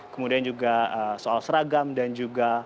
kemudian juga soal seragam dan juga